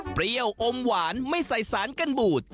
เปรี้ยวอมหวานไม่ใส่สารกันบูด